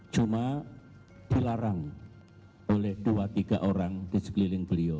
cuma dilarang oleh dua tiga orang di sekeliling beliau